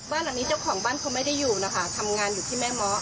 บ้านหลังนี้เจ้าของบ้านเขาไม่ได้อยู่นะคะทำงานอยู่ที่แม่เมาะ